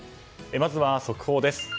まずは速報です。